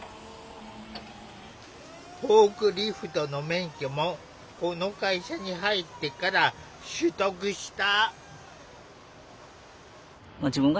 フォークリフトの免許もこの会社に入ってから取得した。